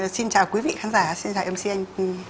xin chào quý vị khán giả xin chào mc anh